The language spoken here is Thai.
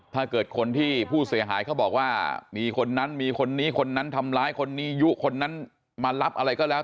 ถ้าเกิดคนที่ผู้เสียหายเขาบอกว่ามีคนนั้นมีคนนี้คนนั้นทำร้ายคนนี้ยุคนนั้นมารับอะไรก็แล้ว